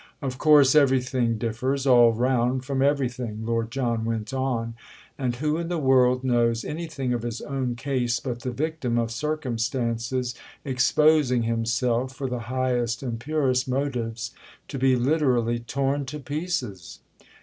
"Of course everything differs, all round, from everything," Lord John went on; "and who in the world knows anything of his own case but the victim of circumstances exposing himself, for the highest and purest motives, to be literally torn to pieces?"